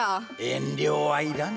遠慮はいらぬ。